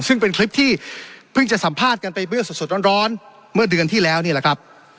ซึ่งเป็นคลิปที่เพิ่งจะสัมภาษณ์กันไปเบื้อสดร้อนเมื่อเดือนที่แล้วนี่แหละครับ